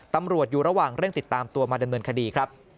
ตำรวจอยู่ระหว่างเร่งติดตามตัวมาดำเนินคดีครับ